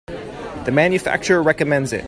The manufacturer recommends it.